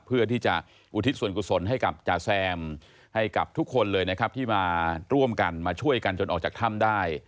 เพื่อที่จะอุทิศส่วนกุศลให้กับจาแซมให้กับทุกคนเลยนะครับที่มาร่วมกันมาช่วยกันจนออกจากถ้ำได้